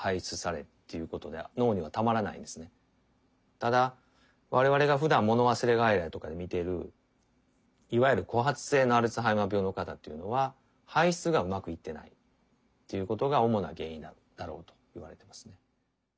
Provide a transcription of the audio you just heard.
ただ我々がふだんもの忘れ外来とかで診ているいわゆる孤発性のアルツハイマー病の方っていうのは排出がうまくいっていないっていうことが主な原因だろうといわれてますね。